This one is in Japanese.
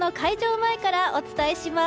前からお伝えします。